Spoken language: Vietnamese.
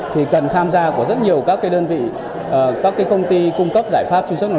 thì cần tham gia của rất nhiều các đơn vị các công ty cung cấp giải pháp